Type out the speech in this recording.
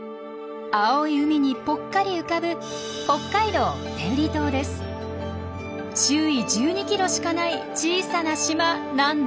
青い海にぽっかり浮かぶ周囲１２キロしかない小さな島なんですが。